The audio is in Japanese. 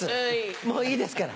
もういいですから。